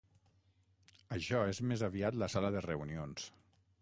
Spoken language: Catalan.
Això és més aviat la sala de reunions.